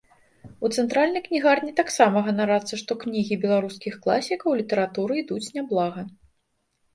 У цэнтральнай кнігарні таксама ганарацца, што кнігі беларускіх класікаў літаратуры ідуць няблага.